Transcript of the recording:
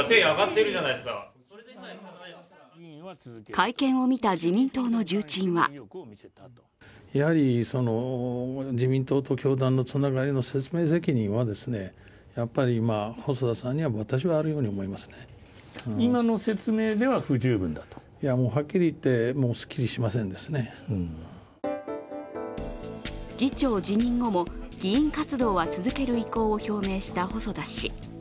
会見を見た自民党の重鎮は議長辞任後も議員活動は続ける意向を表明した細田氏。